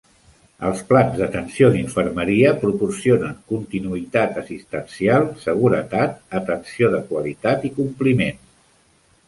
Els plans d'atenció d'infermeria proporcionen continuïtat assistencial, seguretat, atenció de qualitat i compliment.